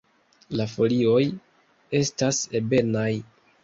La folioj estas ebenaj.